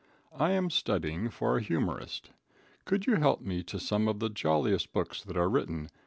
I am studying for a Humorist. Could you help me to some of the Joliest Books that are written?